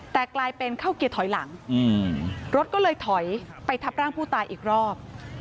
แต่กลายเป็นเข้าเกียร์ถอยหลังรถก็เลยถอยไปทับร่างผู้ตายอีกรอบ